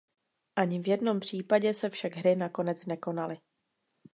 Ani v jednom případě se však hry nakonec nekonaly.